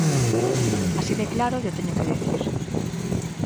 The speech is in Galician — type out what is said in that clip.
Así de claro llo teño que dicir.